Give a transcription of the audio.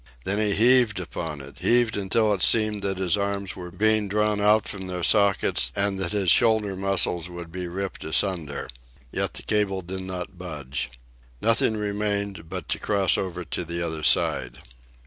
Then he heaved upon it, heaved until it seemed that his arms were being drawn out from their sockets and that his shoulder muscles would be ripped asunder. Yet the cable did not budge. Nothing remained but to cross over to the other side.